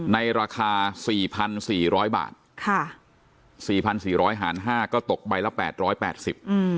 ในราคาสี่พันสี่ร้อยบาทค่ะสี่พันสี่ร้อยหารห้าก็ตกใบละแปดร้อยแปดสิบอืม